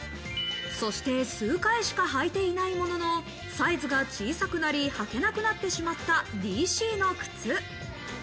そして数回しか履いていないものの、サイズが小さくなり、履けなくなってしまったＤＣの靴。